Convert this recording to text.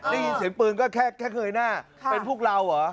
ได้ยินเสียงปืนก็แค่เคยหน้าเป็นพวกเราเหรอ